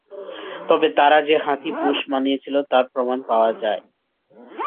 তবে তারা যে হাতি পোষ মানিয়েছিল তার প্রমাণ পাওয়া যায়।